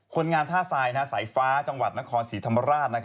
คนงานท่าทรายสายฟ้าจังหวัดนครศรีธรรมราช